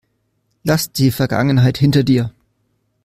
Lass die Vergangenheit hinter dir.